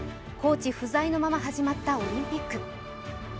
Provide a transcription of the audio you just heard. コーチ不在のまま始まったオリンピック。